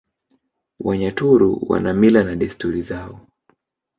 Wanyaturu wana Mila na Desturi zao